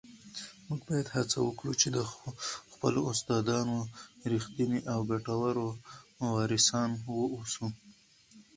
موږ باید هڅه وکړو چي د خپلو استادانو رښتیني او ګټور وارثان واوسو.